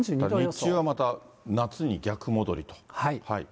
日中はまた、夏に逆戻りと。